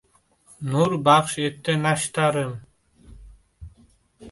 Nur baxsh etdi nashtarim.